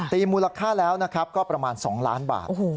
ตีมูลค่าแล้วก็ประมาณ๒ล้านบาท